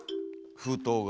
封筒が。